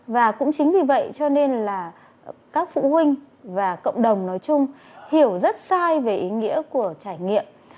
và cũng chính vì vậy cho nên là các phụ huynh và cộng đồng nói chung hiểu rất sai về ý nghĩa của trải nghiệm